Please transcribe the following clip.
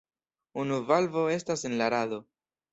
Unu valvo estas en la rado.